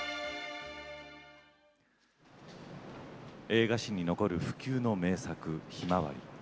映画史に残る不朽の名作「ひまわり」。